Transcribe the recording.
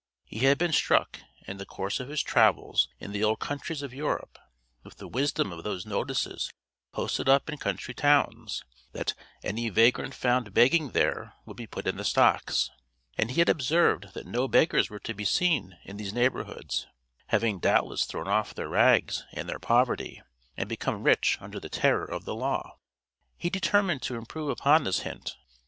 He had been struck, in the course of his travels in the old countries of Europe, with the wisdom of those notices posted up in country towns, that "any vagrant found begging there would be put in the stocks," and he had observed that no beggars were to be seen in these neighborhoods; having doubtless thrown off their rags and their poverty, and become rich under the terror of the law. He determined to improve upon this hint.